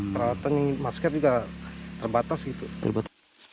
peralatan masker juga terbatas gitu